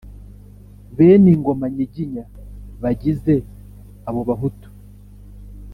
beningoma nyiginya bagize abo bahutu